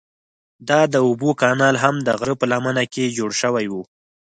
دا د اوبو کانال هم د غره په لمنه کې جوړ شوی و.